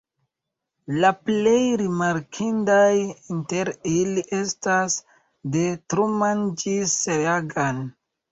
La plej rimarkindaj inter ili estas "De Truman ĝis Reagan.